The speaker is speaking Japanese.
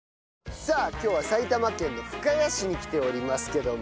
さあ今日は埼玉県の深谷市に来ておりますけども。